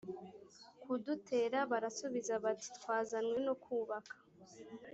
kudutera barabasubiza bati twazanywe no kubaka